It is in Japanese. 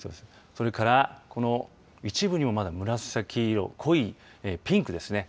それからこの一部にも、まだ紫色濃いピンクですね。